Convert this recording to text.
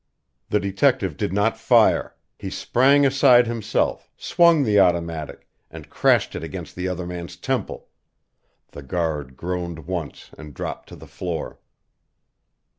The detective did not fire. He sprang aside himself, swung the automatic, and crashed it against the other man's temple. The guard groaned once and dropped to the floor.